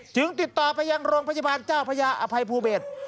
ติดต่อไปยังโรงพยาบาลเจ้าพระยาอภัยภูเบศ